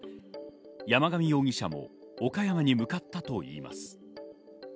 山上容疑者も岡山に向かったといいます。